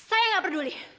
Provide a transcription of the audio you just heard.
saya nggak peduli